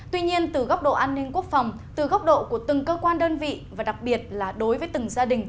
tuy nhiên từ góc độ an ninh quốc phòng từ góc độ của từng cơ quan đơn vị và đặc biệt là đối với từng gia đình